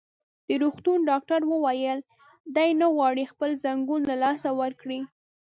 د روغتون ډاکټر وویل: دی نه غواړي خپل ځنګون له لاسه ورکړي.